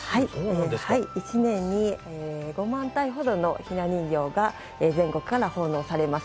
１年に５万体ほどのひな人形が全国から寄せられます。